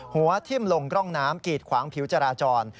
หัวทิ้มลงร่องน้ำกีดขวางผิวจราจร